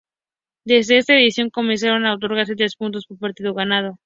Desde esta edición, comenzaron a otorgarse tres puntos por partido ganado.